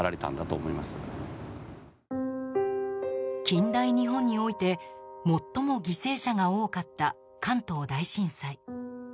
近代日本において最も犠牲者が多かった関東大震災。